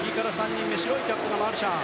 白いキャップがマルシャン。